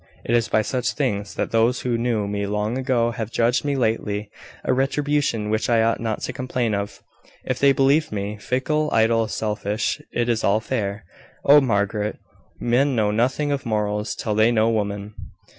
"It is by such things that those who knew me long ago have judged me lately a retribution which I ought not to complain of. If they believed me fickle, idle, selfish, it is all fair. Oh! Margaret, men know nothing of morals till they know women."